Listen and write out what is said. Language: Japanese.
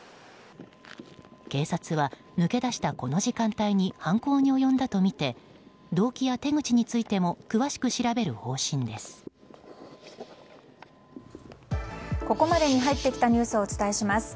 警察は抜け出したこの時間帯に犯行に及んだとみて動機や手口についても詳しく調べる方針です。